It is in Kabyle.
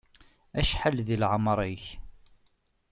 Acḥal di lɛemeṛ-ik?